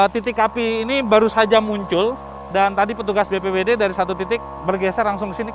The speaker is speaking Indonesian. titik api ini baru saja muncul dan tadi petugas bpwd dari satu titik bergeser langsung ke sini